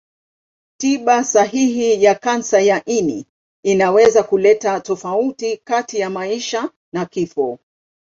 Tiba sahihi ya kansa ya ini inaweza kuleta tofauti kati ya maisha na kifo.